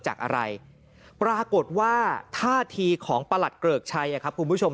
จากอะไรปรากฏว่าท่าทีของประหลัดเกริกชัยครับคุณผู้ชม